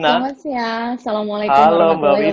selamat siang assalamualaikum warahmatullahi wabarakatuh